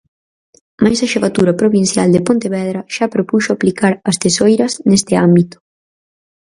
Mais a xefatura provincial de Pontevedra xa propuxo aplicar as tesoiras neste ámbito.